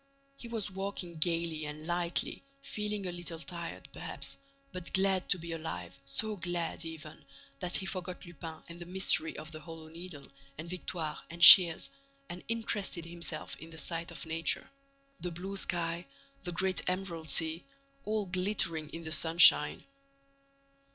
He was walking gaily and lightly, feeling a little tired, perhaps, but glad to be alive, so glad, even, that he forgot Lupin and the mystery of the Hollow Needle and Victoire and Shears, and interested himself in the sight of nature: the blue sky, the great emerald sea, all glittering in the sunshine.